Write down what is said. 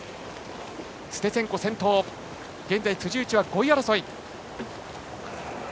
ステツェンコ先頭、現在辻内は５位争い。